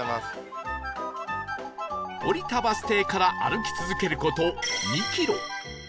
降りたバス停から歩き続ける事２キロ